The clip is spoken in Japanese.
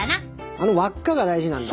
あの輪っかが大事なんだ。